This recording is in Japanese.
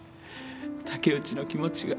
竹内の気持ちが。